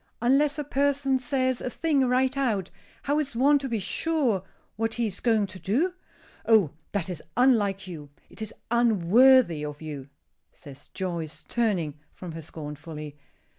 Unless a person says a thing right out, how is one to be sure what he is going to do?" "Oh! that is unlike you. It is unworthy of you," says Joyce, turning from her scornfully.